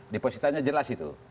depositanya jelas itu